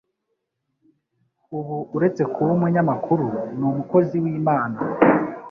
ubu uretse kuba umunyamakuru ni n'umukozi w'Imana